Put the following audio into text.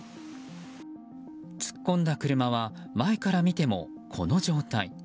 突っ込んだ車は前から見ても、この状態。